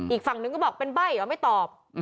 อีกฝั่งนึงก็บอกเป็นใบ้เหรอไม่ตอบ